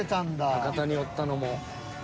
全て博多におったのも。